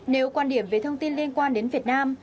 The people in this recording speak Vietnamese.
nếu quan điểm về thông tin liên quan đến việt nam